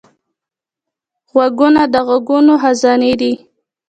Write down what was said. غوږونه د غږونو خزانې دي